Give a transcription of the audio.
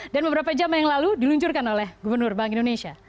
dan beberapa jam yang lalu diluncurkan oleh gubernur bank indonesia